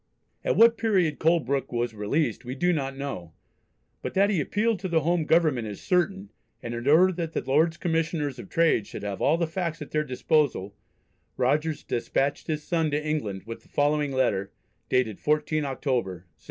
At what period Colebrooke was released we do not know, but that he appealed to the home Government is certain, and in order that the Lords Commissioners of Trade should have all the facts at their disposal Rogers despatched his son to England with the following letter, dated 14 October, 1731.